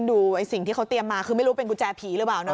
ดูสิ่งที่เขาเตรียมมาคือไม่รู้เป็นกุญแจผีหรือเปล่าเนอ